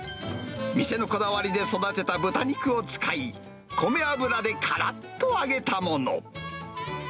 店のこだわりで育てた豚肉を使い、米油でからっと揚げたもの。